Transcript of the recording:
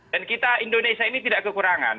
dan kita indonesia ini tidak kekurangan